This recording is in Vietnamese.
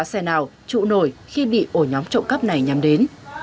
xe nào trụ nổi khi bị ổ nhóm trộm cắp này nhắm đến